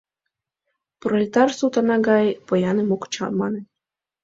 Пролетар суд Ана гай пояным ок чамане.